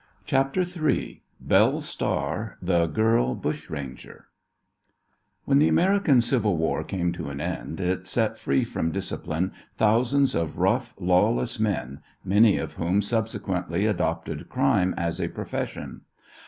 CHAPTER III BELLE STAR, THE GIRL BUSHRANGER When the American Civil War came to an end it set free from discipline thousands of rough, lawless men, many of whom subsequently adopted crime as a profession.